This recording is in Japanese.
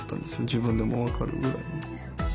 自分でも分かるぐらい。